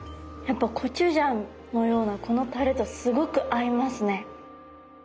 コチュジャンのようなこのタレとすごく合いますね。